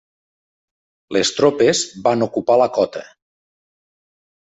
Les tropes van ocupar la cota.